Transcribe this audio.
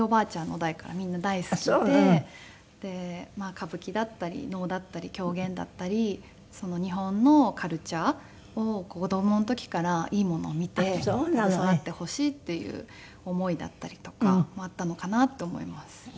歌舞伎だったり能だったり狂言だったり日本のカルチャーを子供の時からいいものを見て育ってほしいっていう思いだったりとかもあったのかなと思います。